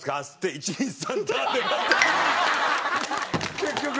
結局。